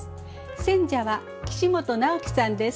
選者は岸本尚毅さんです。